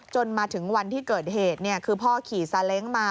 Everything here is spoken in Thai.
จนถึงวันที่เกิดเหตุคือพ่อขี่ซาเล้งมา